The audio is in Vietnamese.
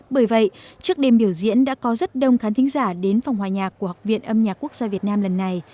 bởi vậy trước đêm biểu diễn đã có rất đông khán thính giả đến phòng hòa nhạc của học viện âm nhạc quốc gia việt nam lần này